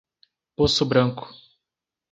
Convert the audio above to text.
Poço Branco